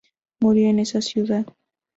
Murió en esa ciudad.